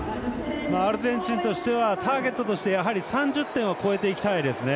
アルゼンチンとしてはターゲットとして、やはり３０点を超えていきたいですね。